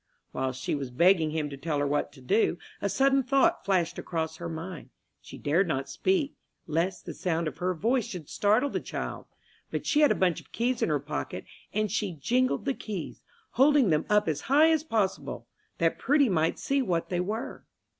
While she was begging Him to tell her what to do, a sudden thought flashed across her mind. She dared not speak, lest the sound of her voice should startle the child; but she had a bunch of keys in her pocket, and she jingled the keys, holding them up as high as possible, that Prudy might see what they were.